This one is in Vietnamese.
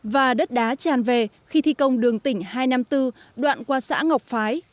và đất đá tràn về khi thi công đường tỉnh hai trăm năm mươi bốn đoạn qua xã ngọc phái